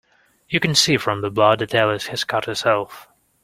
You can see from the blood that Alice has cut herself